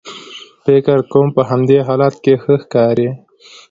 فکر کوم په همدې حالت کې ښه ښکارې.